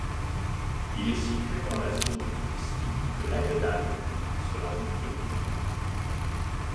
Il est situé dans la zone touristique de l'Aguedal sur la route de l'Ourika.